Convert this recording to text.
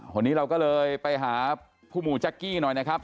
วันนี้เราก็เลยไปหาผู้หมู่จักกี้หน่อยนะครับ